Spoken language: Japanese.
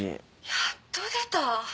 やっと出た